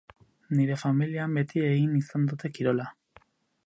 Nire familian beti egin izan dute kirola.